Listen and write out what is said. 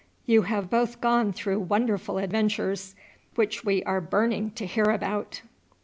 You have both gone through wonderful adventures, which we are burning to hear about."